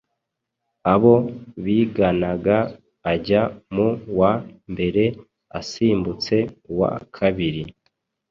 abo biganaga ajya mu wa mbere asimbutse uwa kabiri.